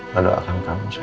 mendoakan kamu sayang